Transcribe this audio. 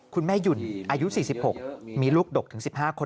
คุณแม่หยุ่นอายุ๔๖มีลูกดกถึง๑๕คน